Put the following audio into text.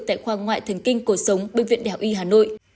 tại khoa ngoại thần kinh cột sống bệnh viện đảo y hà nội